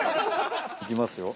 いきますよ。